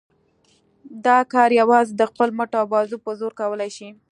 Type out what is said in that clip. دا کار یوازې د خپل مټ او بازو په زور کولای شي.